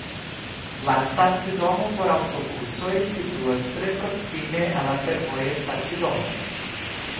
La stacidomo por aŭtobusoj situas tre proksime al la fervoja stacidomo.